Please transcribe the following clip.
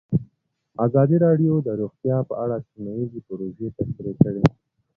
ازادي راډیو د روغتیا په اړه سیمه ییزې پروژې تشریح کړې.